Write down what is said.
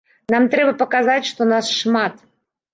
Нам трэба паказаць, што нас шмат.